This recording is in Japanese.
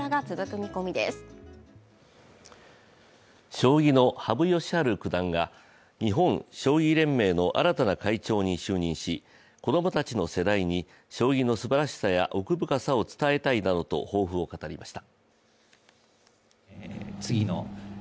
将棋の羽生善治九段が日本将棋連盟の新たな会長に就任し、子供たちの世代に将棋のすばらしさや奥深さを伝えたいなどと抱負を語りました。